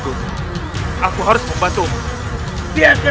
dalam keadaan yang luar biasa